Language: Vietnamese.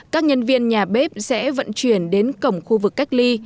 các nhân viên nhà bếp sẽ vận chuyển đến cổng khu vực cách ly